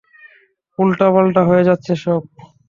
উল্টাপাল্টা হয়ে যাচ্ছে সব।